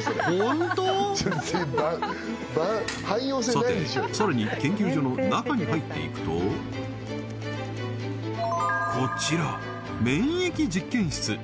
さてさらに研究所の中に入っていくとこちら免疫実験室